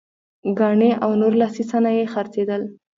ګاڼې او نور لاسي صنایع یې خرڅېدل.